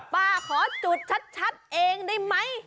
ป้าขอจุดชัดเองได้ไหม